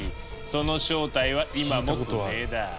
その正体は今も不明だ。